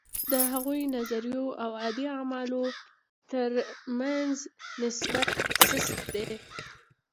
د هغو نظریو او دې اعمالو ترمنځ نسبت سست دی.